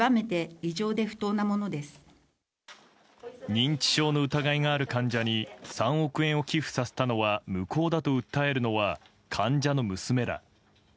認知症の疑いがある患者に３億円を寄付させたのは無効だと訴えるのは患者の娘ら。